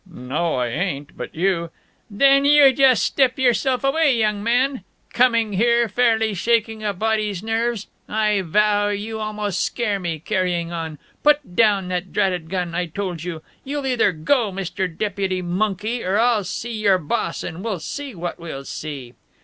"No, I ain't, but you " "Then you just step yourself away, young man! Coming here, fairly shaking a body's nerves. I vow, you almost scare me, carrying on Put down that dratted gun, I told you. You'll either go, Mr. Deputy Monkey, or I'll see your boss, and we'll see what we'll see."